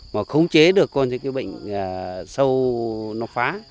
mà khống chế được con cái bệnh sâu nó phá